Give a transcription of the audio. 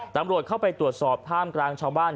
ตำรวจเข้าไปตรวจสอบท่ามกลางชาวบ้าน